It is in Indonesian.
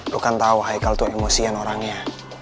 lu kan tau haikal tuh emosian orangnya